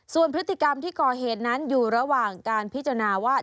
ส่วนพฤติกรรมที่ก่อเหตุนั้นอยู่ระหว่างการพิจารณาว่า